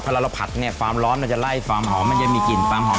เวลาเราผัดฟาร์มร้อนมันจะไล่ฟาร์มหอมมันจะมีกลิ่นฟาร์มหอม